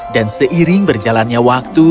dan seiring berjalannya waktu